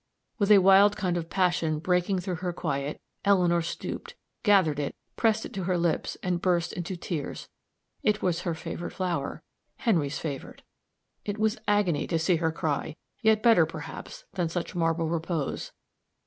With a wild kind of passion breaking through her quiet, Eleanor stooped, gathered it, pressed it to her lips, and burst into tears it was her favorite flower Henry's favorite. It was agony to see her cry, yet better, perhaps, than such marble repose.